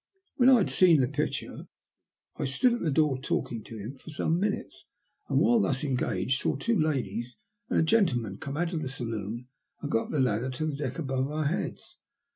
When I had seen the picture I stood at the door talking to him for some minutes, and while thus engaged saw two ladies and a gentleman eome out of the saloon and go up the ladder to the deck above our heads.